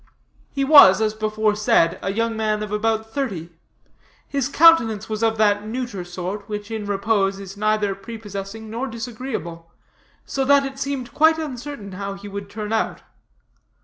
He was, as before said, a young man of about thirty. His countenance of that neuter sort, which, in repose, is neither prepossessing nor disagreeable; so that it seemed quite uncertain how he would turn out.